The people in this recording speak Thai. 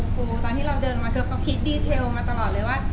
เหมือนกระโปรงคูลตอนที่เราเดินมาเค้าคิดดีเทลมาตลอดเลยว่า